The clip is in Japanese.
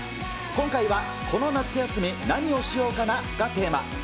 今回は、この夏休み、何をしようかな？がテーマ。